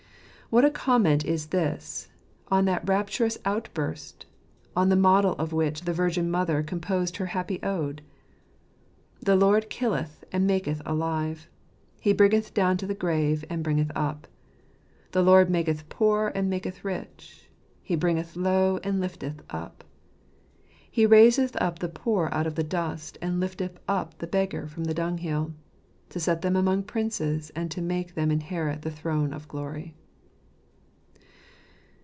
What a comment is this on that rap turous outburst, on the model of which the Virgin Mother composed her happy ode ! •'The Lord killeth, and maketh alive ; He bringeth down to the grave. And briugeth up. The Lord maketh poor, and maketh rich ; He bringeth low, and lifteth up. He raisetb up the poor out of the dust, And lifteth up the beggar From the dunghill, To set them among princes, And to make them inherit The throne of glory."